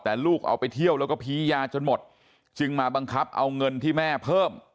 แต่ลูกเอาไปเที่ยวแล้วก็พียาจนหมดจึงมาบังคับเอาเงินที่แม่เพิ่ม